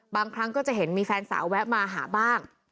บางครั้งก็จะเห็นมีแฟนสาวแวะมาหาบ้าง